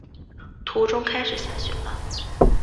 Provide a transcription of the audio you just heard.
途中开始下雪了